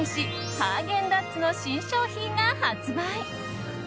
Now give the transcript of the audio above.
ハーゲンダッツの新商品が発売。